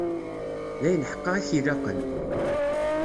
D ayen ḥeqqa i k-ilaqen.